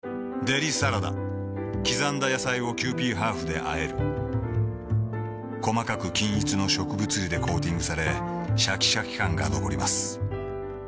デリサラダ刻んだ野菜をキユーピーハーフであえる細かく均一の植物油でコーティングされシャキシャキ感が残ります